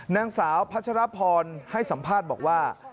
นางสาวพัชรพรให้สัมภาษณ์บอกว่า